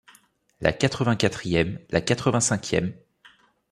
La quatre-vingt-quatrième, la quatre-vingt-cinquième